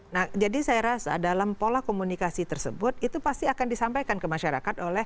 nah jadi saya rasa dalam pola komunikasi tersebut itu pasti akan disampaikan ke masyarakat